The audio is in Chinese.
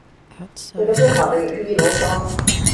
写的不好的也是一箩筐